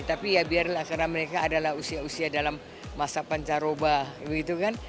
tapi ya biarlah karena mereka adalah usia usia dalam masa pancaroba gitu kan